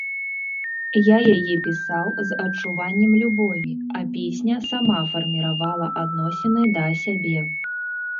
Я яе пісаў з адчуваннем любові, а песня сама фарміравала адносіны да сябе.